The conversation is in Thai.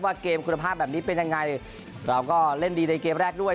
เกมคุณภาพแบบนี้เป็นยังไงเราก็เล่นดีในเกมแรกด้วย